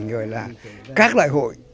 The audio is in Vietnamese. rồi là các loại hội